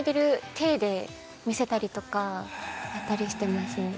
見せたりとかやったりしてますね。